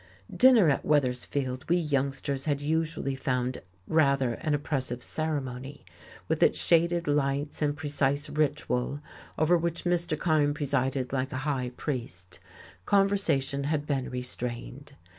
Dinner at Weathersfield we youngsters had usually found rather an oppressive ceremony, with its shaded lights and precise ritual over which Mr. Kyme presided like a high priest; conversation had been restrained.